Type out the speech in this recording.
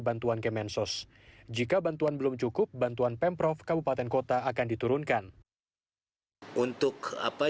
bantuan kemensos jika bantuan belum cukup bantuan pemprov kabupaten kota akan diturunkan untuk apa